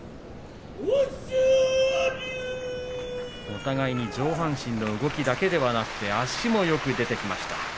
お互いに上半身の動きだけではなくて足もよく出ていました。